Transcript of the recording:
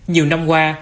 nhiều năm qua